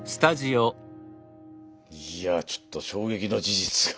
いやちょっと衝撃の事実が。